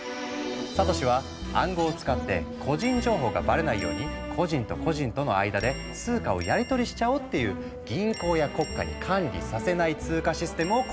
サトシは「暗号を使って個人情報がバレないように個人と個人との間で通貨をやりとりしちゃおう」っていう銀行や国家に管理させない通貨システムを構想したの。